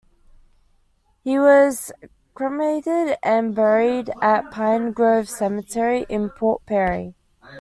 He was cremated and buried at Pine Grove Cemetery in Port Perry.